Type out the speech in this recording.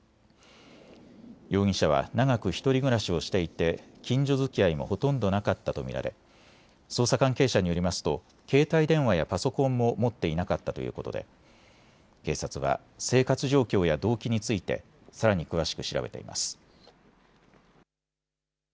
容疑者は長く１人暮らしをしていて近所づきあいもほとんどなかったと見られ捜査関係者によりますと携帯電話やパソコンも持っていなかったということで警察は生活状況や動機についてさらに詳しく調べています。